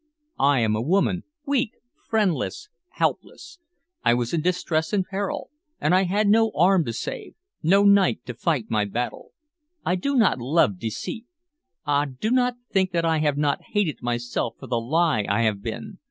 I am a woman, weak, friendless, helpless. I was in distress and peril, and I had no arm to save, no knight to fight my battle. I do not love deceit. Ah, do not think that I have not hated myself for the lie I have been.